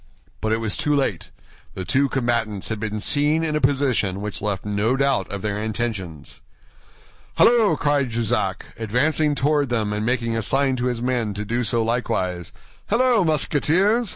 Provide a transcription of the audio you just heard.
But it was too late. The two combatants had been seen in a position which left no doubt of their intentions. "Halloo!" cried Jussac, advancing toward them and making a sign to his men to do so likewise, "halloo, Musketeers?